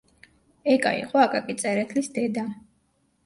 ეკა იყო აკაკი წერეთლის დედა.